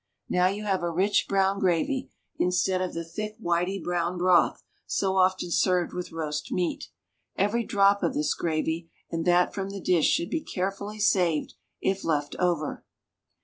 Now you have a rich brown gravy, instead of the thick whitey brown broth so often served with roast meat. Every drop of this gravy and that from the dish should be carefully saved if left over.